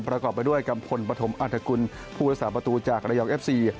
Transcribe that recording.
ประกอบมาด้วยกรรมพลปฐมอรรถกุลพุทธศาสตร์ประตูจากระยกเอฟซี